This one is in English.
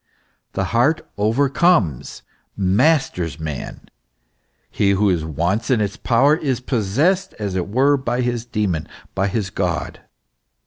The heart overcomes, masters man ; he who is once in its power is possessed as it were by his demon, by his God.